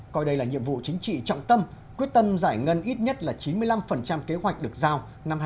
coi đây là nhiệm vụ chính trị trọng tâm quyết tâm giải ngân ít nhất là chín mươi năm kế hoạch được giao